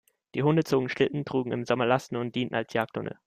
Die Hunde zogen Schlitten, trugen im Sommer Lasten und dienten als Jagdhunde.